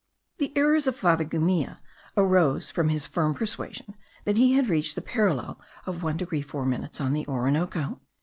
The errors of Father Gumilla arose from his firm persuasion that he had reached the parallel of 1 degree 4 minutes on the Orinoco.